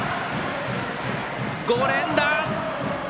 ５連打！